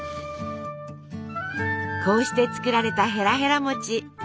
こうして作られたへらへら餅。